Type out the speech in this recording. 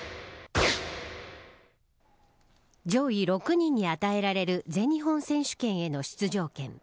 上位６人に与えられる全日本選手権への出場権。